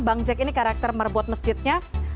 bang jack ini karakter merebut masjidnya